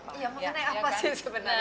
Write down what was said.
mengenai apa sih sebenarnya